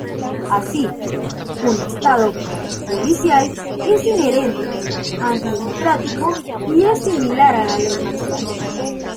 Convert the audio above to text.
Así, un Estado policial es inherentemente antidemocrático y es similar a la ley marcial.